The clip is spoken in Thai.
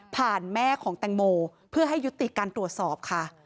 แม่ของแตงโมเพื่อให้ยุติการตรวจสอบค่ะ